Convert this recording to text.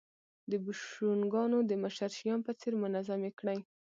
د بوشونګانو د مشر شیام په څېر منظمې کړې